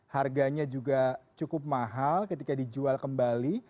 harganya juga cukup mahal ketika dijual kembali